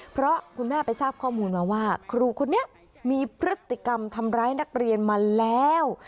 เพราะคุณแม่ไปทราบข้อมูลมาว่าครูคนนี้มีพฤติกรรมทำร้ายนักเรียนมาแล้ว